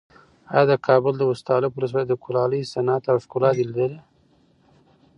ایا د کابل د استالف ولسوالۍ د کلالۍ صنعت او ښکلا دې لیدلې؟